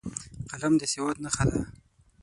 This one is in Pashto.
قلم د سواد نښه ده